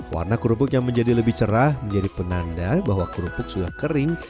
warna kerupuk yang menjadi lebih cerah menjadi penanda bahwa kerupuk sudah kering